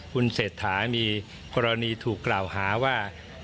คุณเศรษฐามีกรณีถูกกล่าวหาว่า